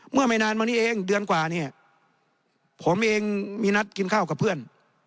ไม่นานมานี้เองเดือนกว่าเนี่ยผมเองมีนัดกินข้าวกับเพื่อน